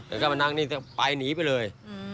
แล้วก็มานั่งนี่ไปหนีไปเลย